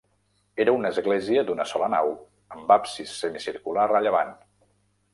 Era una església d'una sola nau, amb absis semicircular a llevant.